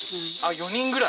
４人ぐらい？